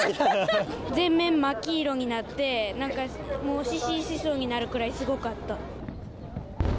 全面真っ黄色になって、なんかもう、失神しそうになるくらいすごかった。